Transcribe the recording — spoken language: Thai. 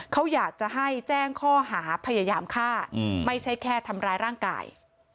เขาอยากจะให้แจ้งข้อหาพยายามฆ่าไม่ใช่แค่ทำร้ายร่างกาย